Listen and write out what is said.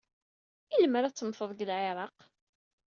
I lemmer ad temmted deg Lɛiraq?